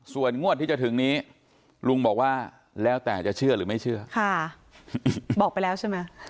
ส่วนงวดที่จะถึงนี้ลุงบอกว่าแล้วแต่จะเชื่อหรือไม่เชื่อค่ะบอกไปแล้วใช่ไหม